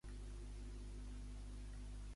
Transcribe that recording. A les tres i quart toca el Frenadol, no?